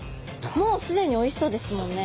もうすでにおいしそうですもんね。